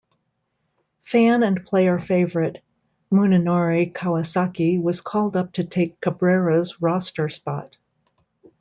Fan and player favorite Munenori Kawasaki was called up to take Cabrera's roster spot.